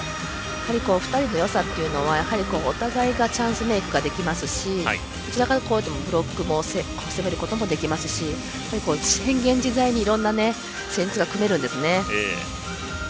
２人のよさというのはお互いがチャンスメークができますしどちらもブロックも攻めることもできますし変幻自在にいろんな戦術が組めるんですね。